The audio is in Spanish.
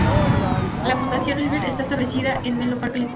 La fundación Hewlett está establecida en Menlo Park, California.